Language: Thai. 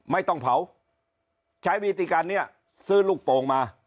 ไม่ต้องเผาใช้วิธีการนี้ซื้อลูกโป่งมา